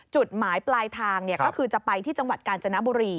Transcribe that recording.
จุดหมายปลายทางก็คือจะไปที่จังหวัดกาญจนบุรี